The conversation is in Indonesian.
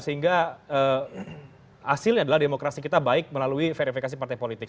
sehingga hasilnya adalah demokrasi kita baik melalui verifikasi partai politik